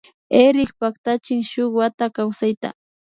Erik paktachin shun wata kawsayta